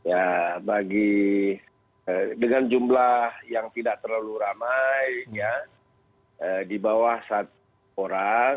ya bagi dengan jumlah yang tidak terlalu ramai ya di bawah satu orang